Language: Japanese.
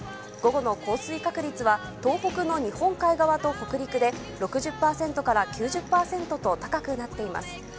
午後の降水確率は東北の日本海側と北陸で、６０％から９０％と高くなっています。